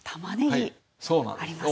はいそうなんです。